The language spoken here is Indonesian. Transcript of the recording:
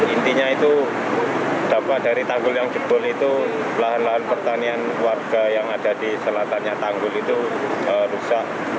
intinya itu dampak dari tanggul yang jebol itu lahan lahan pertanian warga yang ada di selatannya tanggul itu rusak